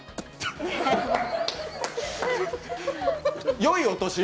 よいお年を。